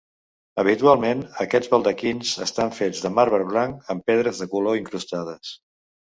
Habitualment, aquests baldaquins estan fets de marbre blanc, amb pedres de color incrustades.